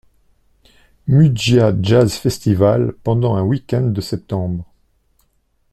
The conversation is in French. Muggia Jazz Festival pendant un week-end de septembre.